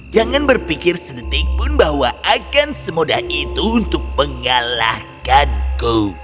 jangan berpikir sedetik pun bahwa akan semudah itu untuk mengalahkanku